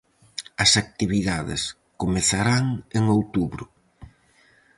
As actividades comezarán en outubro.